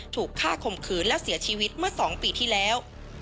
ถูกฆ่าข่มขืนแล้วเสียชีวิตเมื่อ๒ปีที่แล้ว